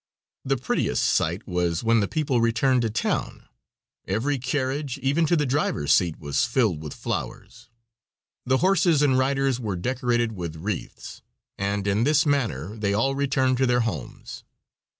The prettiest sight was when the people returned to town. Every carriage, even to the driver's seat, was filled with flowers. The horses and riders were decorated with wreaths, and in this manner they all returned to their homes.